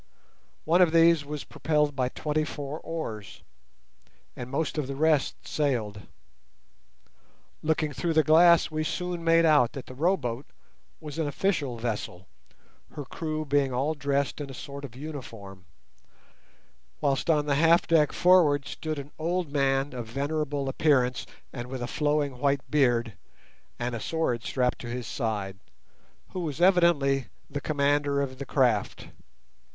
One of these was propelled by twenty four oars, and most of the rest sailed. Looking through the glass we soon made out that the row boat was an official vessel, her crew being all dressed in a sort of uniform, whilst on the half deck forward stood an old man of venerable appearance, and with a flowing white beard, and a sword strapped to his side, who was evidently the commander of the craft.